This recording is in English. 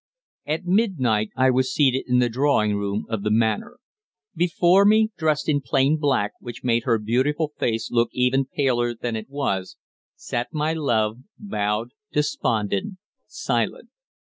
At midnight I was seated in the drawing room of the Manor. Before me, dressed in plain black which made her beautiful face look even paler than it was, sat my love, bowed, despondent, silent.